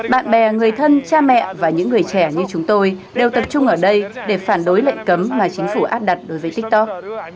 bạn bè người thân cha mẹ và những người trẻ như chúng tôi đều tập trung ở đây để phản đối lệnh cấm mà chính phủ áp đặt đối với tiktok